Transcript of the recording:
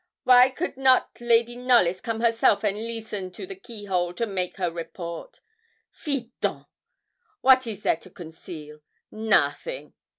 'Wy could not Lady Knollys come herself and leesten to the keyhole to make her report? Fi donc! wat is there to conceal? Nothing.